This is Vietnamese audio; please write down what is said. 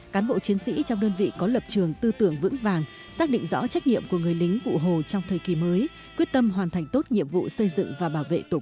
cán bộ chiến sĩ trong đơn vị có lập trường tư tưởng vững vàng xác định rõ trách nhiệm của người lính cụ hồ trong thời kỳ mới quyết tâm hoàn thành tốt nhiệm vụ xây dựng và bảo vệ tổ quốc